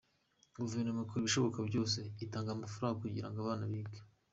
Guverinoma ikora ibishoboka byose, itanga amafaranga kugira ngo abana bige.